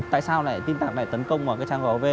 tại sao lại tin tạc lại tấn công vào trang gov